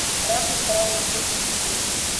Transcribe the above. Рак літаральна косіць людзей.